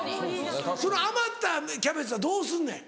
その余ったキャベツはどうすんねん？